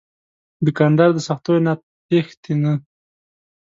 دوکاندار د سختیو نه تښتي نه.